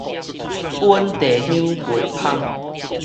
本地香袂芳